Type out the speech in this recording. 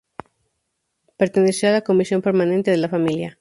Perteneció a la Comisión Permanente de la Familia.